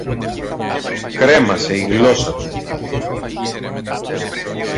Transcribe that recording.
κρέμασε η γλώσσα του